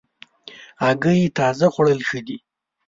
هګۍ تازه خوړل ښه دي.